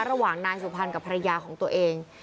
ระหว่างนายสุพรรณกับภรรยาของตัวเอง